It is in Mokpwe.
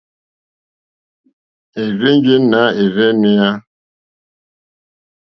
Érzènjé nà ɛ́rzɛ̀nɛ́á.